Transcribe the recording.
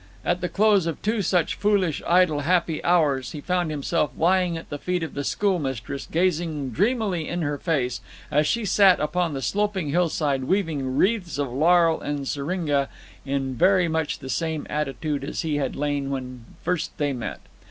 At the close of two such foolish, idle, happy hours he found himself lying at the feet of the schoolmistress, gazing dreamily in her face, as she sat upon the sloping hillside weaving wreaths of laurel and syringa, in very much the same attitude as he had lain when first they met.